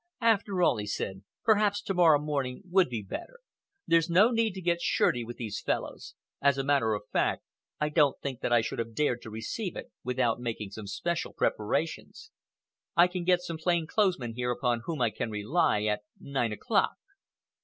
"After all," he said, "perhaps to morrow morning would be better. There's no need to get shirty with these fellows. As a matter of fact, I don't think that I should have dared to receive it without making some special preparations. I can get some plain clothes men here upon whom I can rely, at nine o'clock."